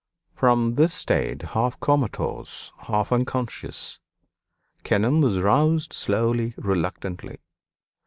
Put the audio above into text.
'"... From this state, half comatose, half unconscious, Kenelm was roused slowly, reluctantly.